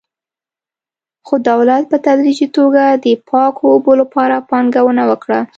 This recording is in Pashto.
خو دولت په تدریجي توګه د پاکو اوبو لپاره پانګونه وکړه.